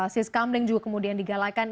siskamling juga kemudian digalakan